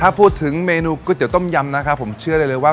ถ้าพูดถึงเมนูก๋วยเตี๋ต้มยำนะครับผมเชื่อได้เลยว่า